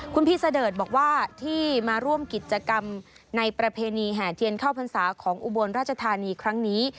คุณพี่เสดิร์ดบอกว่าที่มาร่วมกิจกรรมในประเพณีแห่เทียนเข้าพรรษาของอุบลราชธานีครั้งนี้